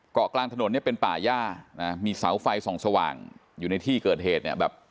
เกาะกลางถนนเนี่ยเป็นป่าย่านะมีเสาไฟส่องสว่างอยู่ในที่เกิดเหตุเนี่ยแบบ